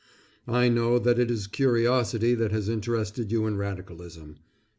I know that it is curiosity that has interested you in radicalism.